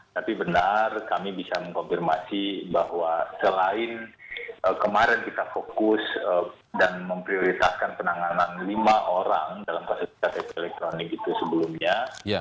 tapi benar kami bisa mengkonfirmasi bahwa selain kemarin kita fokus dan memprioritaskan penanganan lima orang dalam kasus ktp elektronik itu sebelumnya